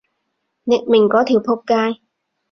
匿名嗰條僕街